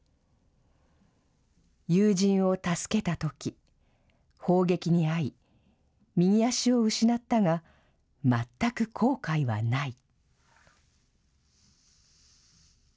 友人を助けたとき、砲撃に遭い、右足を失ったが、全く後悔はない。